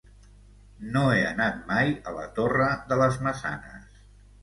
No he anat mai a la Torre de les Maçanes.